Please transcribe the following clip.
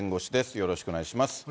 よろしくお願いします。